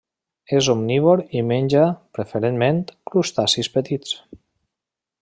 És omnívor i menja, preferentment, crustacis petits.